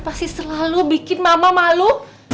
pasti selalu bikin mama malu